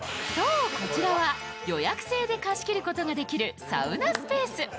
こちらは予約制で貸し切ることができるサウナスペース。